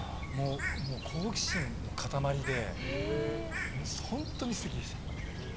好奇心の塊で本当に素敵でした。